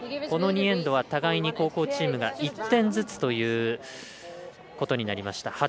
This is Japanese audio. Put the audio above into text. この２エンドは互いに後攻チームが１点ずつということになりました。